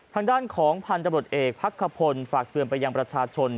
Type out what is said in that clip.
ทางด้านของพันธบรดเอกพักขพลฝากเตือนไปยังประชาชน